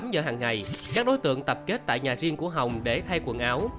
một mươi tám h hàng ngày các đối tượng tập kết tại nhà riêng của hồng để thay quần áo